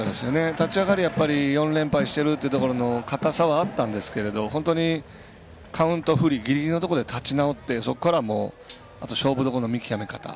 立ち上がり４連敗しているっていう硬さはあったんですけど本当にカウント不利ギリギリのところで立ち直ってそこからはもうあとは勝負どころの見極め方。